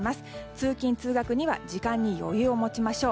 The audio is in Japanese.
通勤・通学には時間に余裕を持ちましょう。